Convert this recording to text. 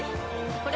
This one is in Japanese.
これ！